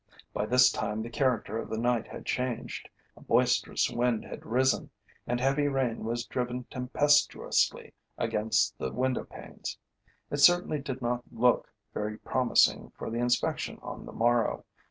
By this time the character of the night had changed. A boisterous wind had risen, and heavy rain was driven tempestuously against the window panes. It certainly did not look very promising for the inspection on the morrow.